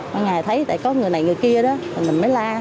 bằng ngày thấy tại có người này người kia đó thì mình mới la